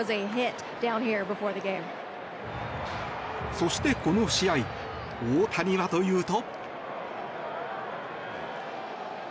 そして、この試合大谷はというと。